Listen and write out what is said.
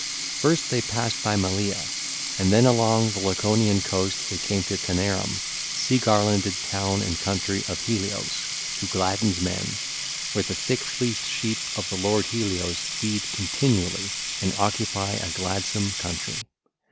First they passed by Malea, and then along the Laconian coast they came to Taenarum, sea garlanded town and country of Helios who gladdens men, where the thick fleeced sheep of the lord Helios feed continually and occupy a glad some country.